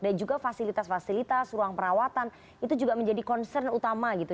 dan juga fasilitas fasilitas ruang perawatan itu juga menjadi concern utama gitu